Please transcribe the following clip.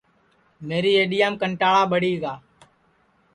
میری اَڈؔیام کنٹاݪا ٻڑی گا